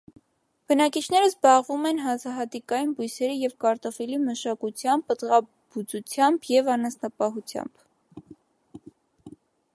Բնակիչներն զբաղվում են հացահատիկային բույսերի և կարտոֆիլի մշակությամբ, պտղաբուծությամբ և անասնապահությամբ։